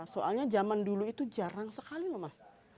soalnya zaman dulu itu jarang sekali loh mas